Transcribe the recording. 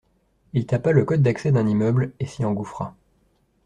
Il tapa le code d’accès d’un immeuble et s’y engouffra.